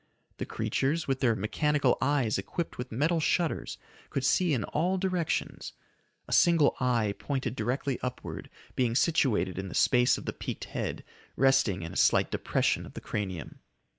The creatures, with their mechanical eyes equipped with metal shutters, could see in all directions. A single eye pointed directly upward, being situated in the space of the peaked head, resting in a slight depression of the cranium.